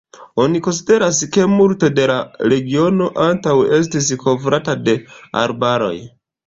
Oni konsideras ke multo de la regiono antaŭe estis kovrata de arbaroj.